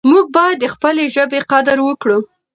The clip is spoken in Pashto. موږ باید د خپلې ژبې قدر وکړو.